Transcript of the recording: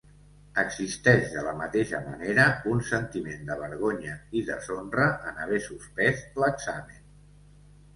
Existeix de la mateixa manera un sentiment de vergonya i deshonra en haver suspès l'examen.